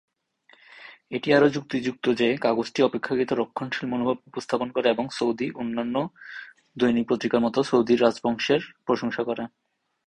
এটি আরও যুক্তিযুক্ত যে কাগজটি অপেক্ষাকৃত রক্ষণশীল মনোভাব উপস্থাপন করে এবং সৌদি অন্যান্য দৈনিক পত্রিকার মতো সৌদের রাজবংশের প্রশংসা করে।